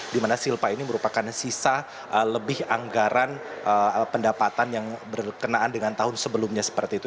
dimana silpa ini merupakan sisa lebih anggaran pendapatan yang berkenaan dengan tahun sebelumnya seperti itu